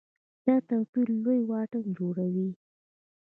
دا توپیر لوی واټن جوړوي.